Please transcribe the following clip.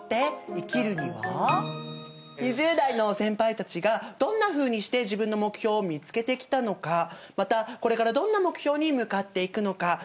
２０代の先輩たちがどんなふうにして自分の目標を見つけてきたのかまたこれからどんな目標に向かっていくのか。